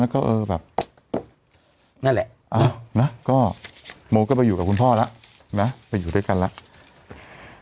ก็โมก็ไปอยู่กับคุณพ่อแล้วน่ะไปอยู่ด้วยกันแล้ว